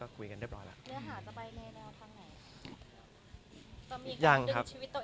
ก็มีไปคุยกับคนที่เป็นคนแต่งเพลงแนวนี้